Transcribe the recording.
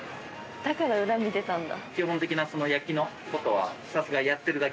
だから裏見てたんだ。